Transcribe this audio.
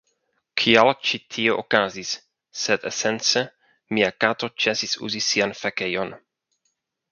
kial ĉi tio okazis, sed esence mia kato ĉesis uzi sian fekejon